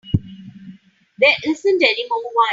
There isn't any more wine.